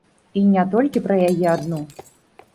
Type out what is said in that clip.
І не толькі пра яе адну.